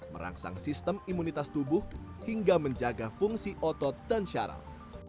merangsang sistem imunitas tubuh hingga menjaga fungsi otot dan syaraf